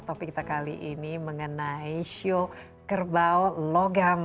topik kita kali ini mengenai show kerbau logam